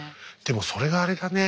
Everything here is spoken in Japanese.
でもそれがあれだね。